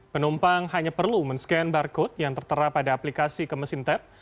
penumpang hanya perlu men scan barcode yang tertera pada aplikasi ke mesin tap